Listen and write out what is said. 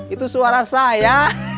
itu suara saya